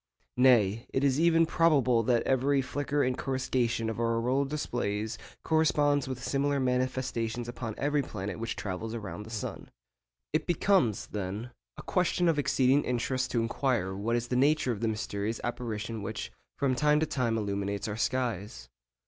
Nay, it is even probable that every flicker and coruscation of our auroral displays corresponds with similar manifestations upon every planet which travels round the sun. It becomes, then, a question of exceeding interest to inquire what is the nature of the mysterious apparition which from time to time illuminates our skies.